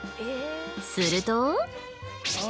すると。